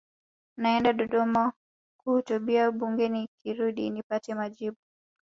naenda dodoma kuhutubia bunge nikirudi nipate majibu